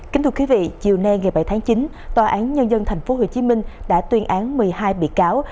kính thưa quý vị chiều nay ngày bảy tháng chín tòa án nhân dân tp hcm đã tuyên án một mươi hai bị cáo